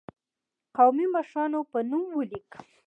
قومي مشرانو په نوم ولیک.